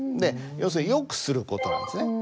要するに善くする事なんですね。